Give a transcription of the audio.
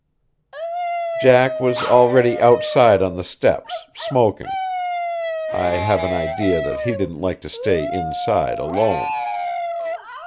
_ Jack was already outside on the steps, smoking. I have an idea that he didn't like to stay inside alone.